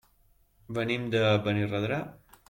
Venim de Benirredrà.